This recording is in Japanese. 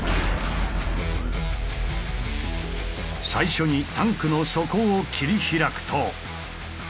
最初にタンクの底を切り開くと。